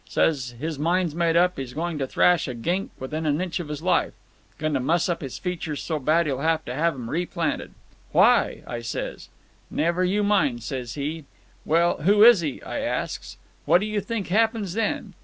Says his mind's made up; he's going to thrash a gink within an inch of his life; going to muss up his features so bad he'll have to have 'em replanted. "'Why?' I says. 'Never you mind,' says he. 'Well, who is he?' I asks. What do you think happens then?